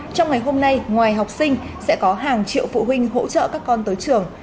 trong ngày hôm nay ngoài học sinh sẽ có hàng triệu phụ huynh hỗ trợ các con tới trường